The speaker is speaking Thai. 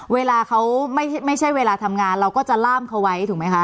เวลาเขาไม่ใช่เวลาทำงานเราก็จะล่ามเขาไว้ถูกไหมคะ